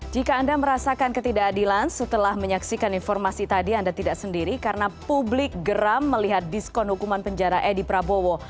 jika anda merasakan ketidakadilan setelah menyaksikan informasi tadi anda tidak sendiri karena publik geram melihat diskon hukuman penjara edi prabowo